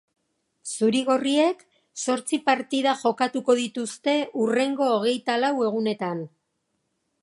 Zuri-gorriek zortzi partida jokatuko dituzte hurrengo hogeitalau egunetan.